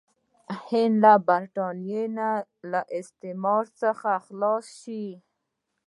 هند د برټانیې له استعمار څخه خلاص شي.